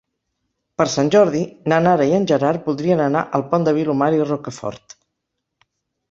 Per Sant Jordi na Nara i en Gerard voldrien anar al Pont de Vilomara i Rocafort.